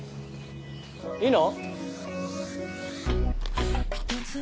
いいの？